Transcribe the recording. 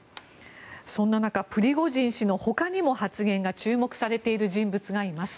そんな中プリゴジン氏の他にも発言が注目されている人物がいます。